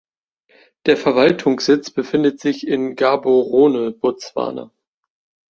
Der Verwaltungssitz befindet sich in Gaborone (Botswana).